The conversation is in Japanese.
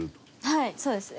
はいそうですね。